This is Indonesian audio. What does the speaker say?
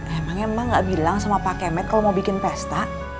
emangnya emang gak bilang sama pak kemet kalau mau bikin pesta